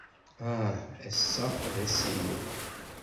Uh! Ass-a d ass-inu.